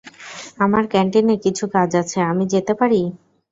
আমার ক্যান্টিনে কিছু কাজ আছে আমি যেতে পারি?